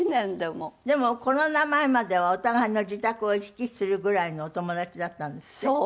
でもコロナ前まではお互いの自宅を行き来するぐらいのお友達だったんですって？